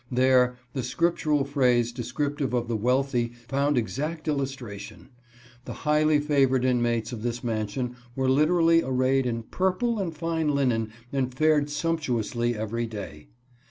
There the scriptural phrase descriptive of the wealthy found exact illustration. The highly favored inmates of this mansion were literally arrayed in "purple and fine linen, and fared sumptuously every day."